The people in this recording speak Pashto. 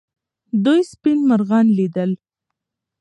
دوی سپین مرغان لیدل.